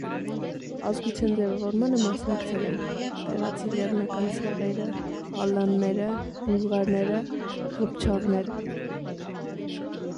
Ազգության ձևավորմանը մասնակցել են տեղացի լեռնական ցեղերը, ալանները, բուլղարները, ղփչաղները։